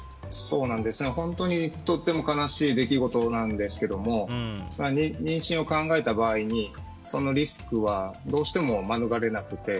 本当にとても悲しい出来事なんですけど妊娠を考えた場合にそのリスクは免れなくて。